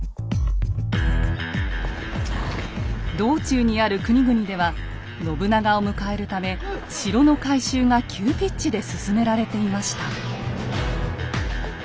道中にある国々では信長を迎えるため城の改修が急ピッチで進められていました。